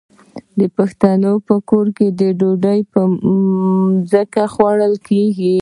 د پښتنو په کور کې ډوډۍ په ځمکه خوړل کیږي.